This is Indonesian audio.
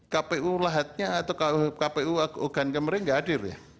kpu lahatnya atau kpu ogan kemarin nggak hadir ya